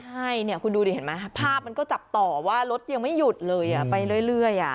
ใช่เนี่ยคุณดูดิเห็นไหมภาพมันก็จับต่อว่ารถยังไม่หยุดเลยไปเรื่อย